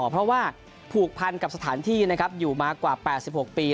เพราะว่าผูกพันกับสถานที่นะครับอยู่มากว่า๘๖ปี